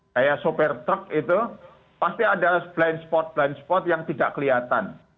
kayak sopir truk itu pasti ada blind spot blind spot yang tidak kelihatan